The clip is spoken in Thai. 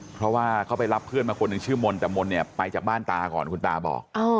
เพราะว่าเขาไปรับเพื่อนมาคนหนึ่งชื่อมนต์แต่มนต์เนี่ยไปจากบ้านตาก่อนคุณตาบอก